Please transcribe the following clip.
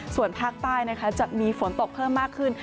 ส่วนภาคใต้จะมีฝนตกเพิ่มมากขึ้น